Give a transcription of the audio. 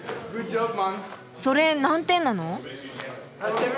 それ何点なの？